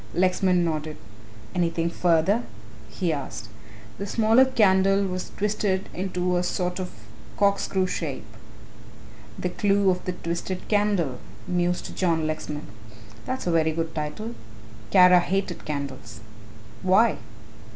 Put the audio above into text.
Lexman nodded. "Anything further?" he asked. "The smaller candle was twisted into a sort of corkscrew shape." "The Clue of the Twisted Candle," mused John Lexman "that's a very good title Kara hated candles." "Why?"